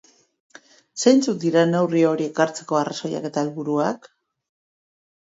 Zeintzuk dira neurri horiek hartzeko arrazoiak eta helburuak?